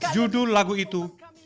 judul lagu itu tujuh puluh dua